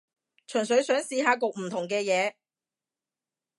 純粹想試下焗唔同嘅嘢